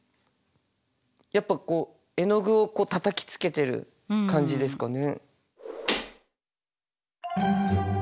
やっぱこう絵の具をたたきつけてる感じですかね。